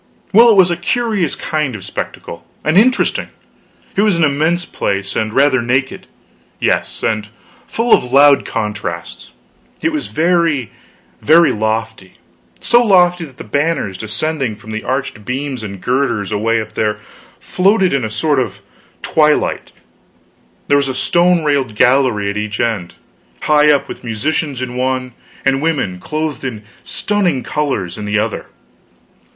Well, it was a curious kind of spectacle, and interesting. It was an immense place, and rather naked yes, and full of loud contrasts. It was very, very lofty; so lofty that the banners depending from the arched beams and girders away up there floated in a sort of twilight; there was a stone railed gallery at each end, high up, with musicians in the one, and women, clothed in stunning colors, in the other.